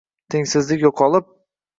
tengsizlik yoʻqolib